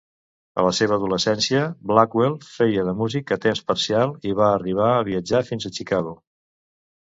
A la seva adolescència, Blackwell feia de músic a temps parcial i va arribar a viatjar fins a Chicago.